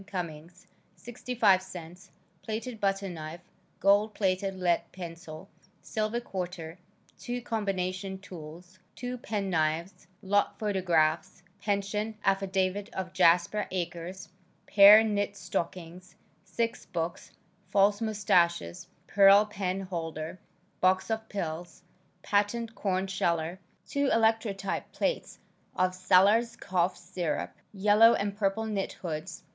Cummings; 65 cents, plated butter knife, gold plated lead pencil, silver quarter, 2 combination tools, 2 pen knives, lot photographs, pension affidavit of Jasper Acres, pair knit stockings, 6 books, false mustaches, pearl pen holder, box of pills, patent corn sheller, 2 electrotype plates of "Sellers Cough Syrup," yellow and purple knit hoods.